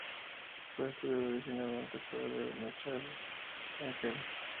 Fue estudiado originalmente por el Dr. Michael S. Engel.